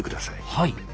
はい。